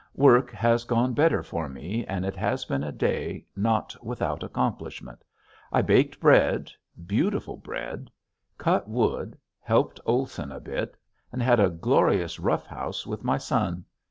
Work has gone better for me and it has been a day not without accomplishment. I baked bread beautiful bread, cut wood, helped Olson a bit, and had a glorious rough house with my son.